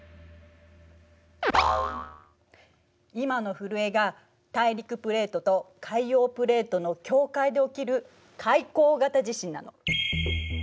今の震えが大陸プレートと海洋プレートの境界で起きる「海溝型地震」なの。